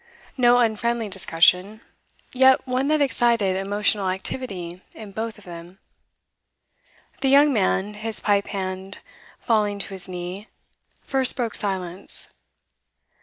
No unfriendly discussion, yet one that excited emotional activity in both of them. The young man, his pipe hand falling to his knee, first broke silence.